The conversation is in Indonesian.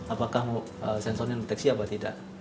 apakah sensornya mendeteksi atau tidak